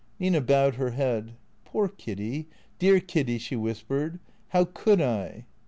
Nina bowed her head. " Poor Kiddy, dear Kiddy," she whis pered. " How could I